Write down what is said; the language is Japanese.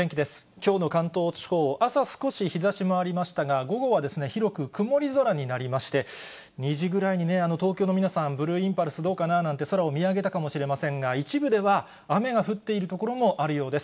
きょうの関東地方、朝、少し日ざしもありましたが、午後は広く曇り空になりましてね、２時ぐらいにね、東京の皆さん、ブルーインパルス、どうかななんて空を見上げたかもしれませんが、一部では雨が降っている所もあるようです。